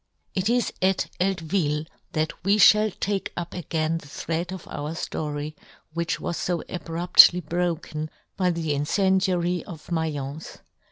It is at Eltvil that we fhall take up again the thread of our ftory, which was fo abruptly broken by the incendiary of Mai'ence.